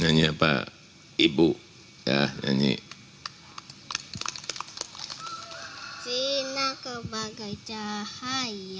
nyiata dan buku